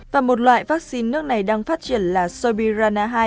và một loại vaccine nước này đang phát triển là soibirana hai